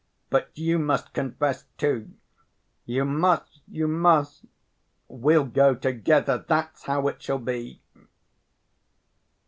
But you must confess, too! You must, you must; we'll go together. That's how it shall be!"